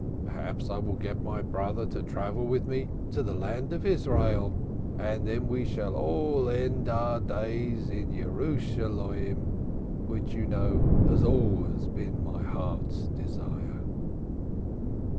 Perhaps I shall get my brother to travel with me to the land of Israel, and then we shall all end our days in Jerusalem, which you know has always been my heart's desire."